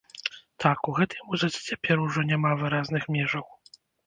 Так, у гэтай музыцы цяпер ужо няма выразных межаў.